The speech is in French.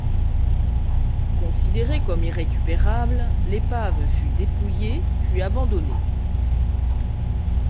Considérée comme irrécupérable, l'épave fut dépouillée puis abandonnée.